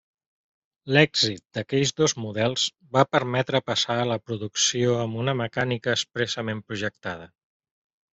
L’èxit d’aquells dos models va permetre passar a la producció amb una mecànica expressament projectada.